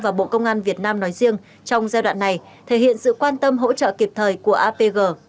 và bộ công an việt nam nói riêng trong giai đoạn này thể hiện sự quan tâm hỗ trợ kịp thời của apg